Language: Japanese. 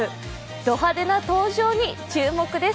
ド派手な登場に注目です。